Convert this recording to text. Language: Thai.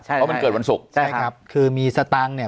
เพราะมันเกิดวันศุกร์ใช่ครับคือมีสตางค์เนี่ย